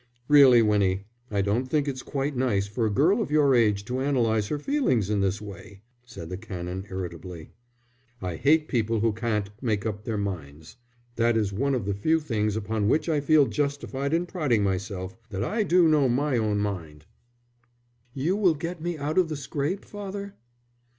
"Really, Winnie, I don't think it's quite nice for a girl of your age to analyze her feelings in this way," said the Canon, irritably. "I hate people who can't make up their minds. That is one of the few things upon which I feel justified in priding myself, that I do know my own mind." "You will get me out of the scrape, father?"